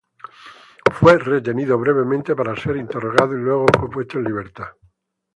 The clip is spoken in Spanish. Fue retenido brevemente para ser interrogado y luego fue puesto en libertad.